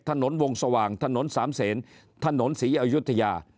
ถนนวงสว่างถนนสามเศษถนนศรีอยุธยา